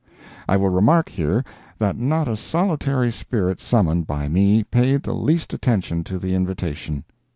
I will remark here that not a solitary spirit summoned by me paid the least attention to the invitation.